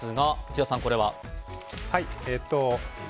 内田さん、これは。